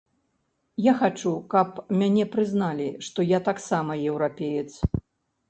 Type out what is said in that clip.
Я хачу, каб мяне прызналі, што я таксама еўрапеец.